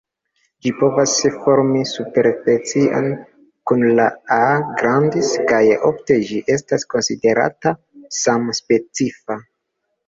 Ĝi povas formi superspecion kun la "A. grandis" kaj ofte ĝi estas konsiderata samspecifa.